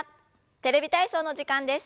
「テレビ体操」の時間です。